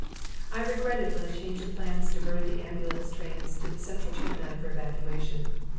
I regretted when a change of plans diverted the ambulance trains to the central termini for evacuation.